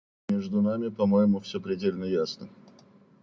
Между нами, по-моему, все предельно ясно.